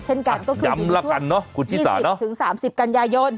เช่นกันก็คืออยู่ในช่วง๒๐๓๐กันยายนน์